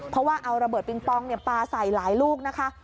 เพราะว่าเอาระเบิดปิงปองปลาใส่หลายลูกนะคะ